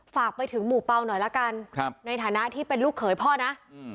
ฝากไปถึงหมู่เปล่าหน่อยละกันครับในฐานะที่เป็นลูกเขยพ่อนะอืม